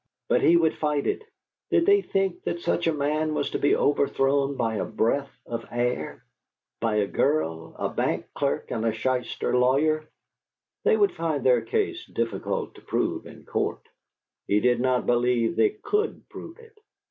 But he would fight it! Did they think that such a man was to be overthrown by a breath of air? By a girl, a bank clerk, and a shyster lawyer? They would find their case difficult to prove in court. He did not believe they COULD prove it.